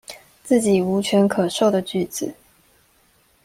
自己無權可授的句子